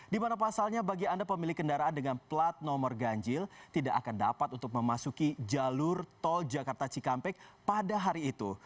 dimana pasalnya bagi anda pemilik kendaraan dengan plat nomor ganjil tidak akan dapat untuk memasuki jalur tol jakarta cikampek pada hari itu